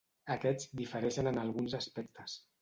Aquests difereixen en alguns aspectes.